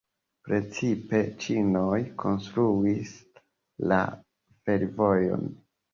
Precipe ĉinoj konstruis la fervojon.